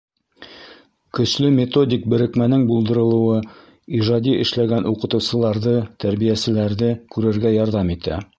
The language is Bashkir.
Көслө методик берекмәнең булдырылыуы ижади эшләгән уҡытыусыларҙы, тәрбиәселәрҙе күрергә ярҙам итә.